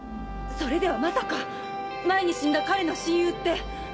それではまさか前に死んだ彼の親友って。